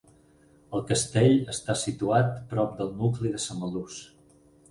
El castell està situat prop del nucli de Samalús.